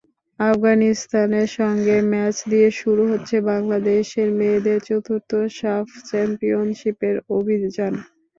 আফগানিস্তানের সঙ্গে ম্যাচ দিয়ে শুরু হচ্ছে বাংলাদেশের মেয়েদের চতুর্থ সাফ চ্যাম্পিয়নশিপের অভিযান।